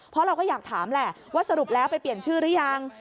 เพราะเราก็อยากถามแหละว่าสรุปแล้วไปเปลี่ยนชื่อหรือยัง